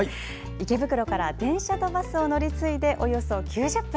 池袋から電車とバスを乗り継いでおよそ９０分。